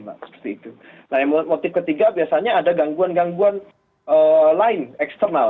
nah yang motif ketiga biasanya ada gangguan gangguan lain eksternal